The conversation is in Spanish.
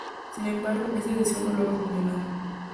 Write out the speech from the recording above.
Sin embargo, este deseo no logró funcionar.